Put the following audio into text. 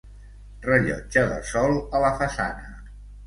Rellotge de sol a la façana.